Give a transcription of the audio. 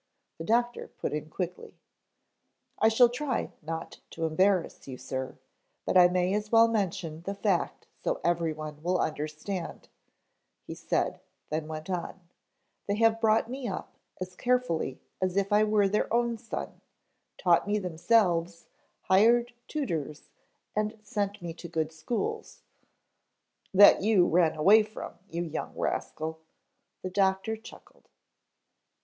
the doctor put in quickly. "I shall try not to embarrass you, sir, but I may as well mention the fact so everyone will understand," he said, then went on, "They have brought me up as carefully as if I were their own son, taught me themselves, hired tutors, and sent me to good schools " "That you ran away from, you young rascal," the doctor chuckled.